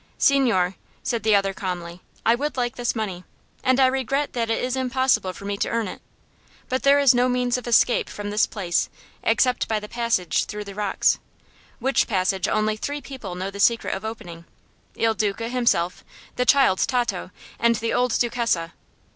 "Signore," said the other, calmly, "I would like this money, and I regret that it is impossible for me to earn it. But there is no means of escape from this place except by the passage through the rocks, which passage only three people know the secret of opening Il Duca himself, the child Tato, and the old Duchessa.